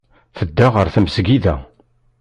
Tedda ɣer tmesgida.